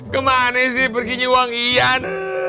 kemana sih perginya uang ian